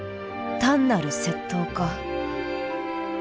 単なる窃盗か？